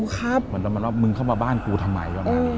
เหมือนว่ามึงเข้ามาบ้านกูทำไม